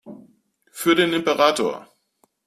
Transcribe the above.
Für den Imperator!